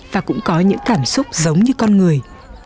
và cũng có những cảm xúc giống như con người